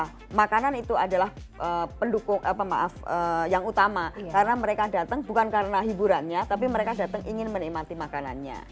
nah makanan itu adalah pendukung apa maaf yang utama karena mereka datang bukan karena hiburannya tapi mereka datang ingin menikmati makanannya